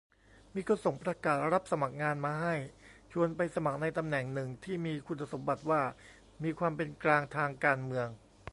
มีคนส่งประกาศรับสมัครงานมาให้ ชวนไปสมัครในตำแหน่งหนึ่งที่มีคุณสมบัติว่า "มีความเป็นกลางทางการเมือง"